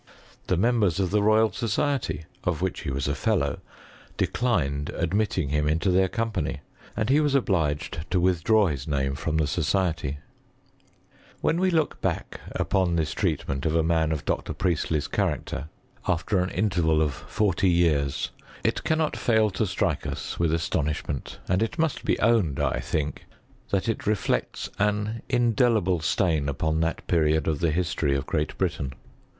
The members of the Royal Society, of which he was '■■ 7, declined admitting him into their company ;. was obliged to withdraw his name from the n we look back upon this treatment of a man r. Priestley's character, after an interval of forty nd 1 M I BtSVOKT or CHUnSTRT. I years, it cannot fail to strike ua with astonishment ; and it must be owned, I think, that it reflects an indelible stain upon that period of the histtwy of Great Britain.